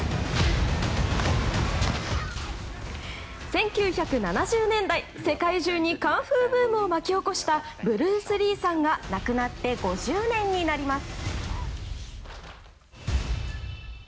１９７０年代世界中にカンフーブームを巻き起こしたブルース・リーさんが亡くなって５０年になります。